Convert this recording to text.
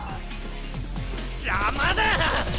邪魔だ！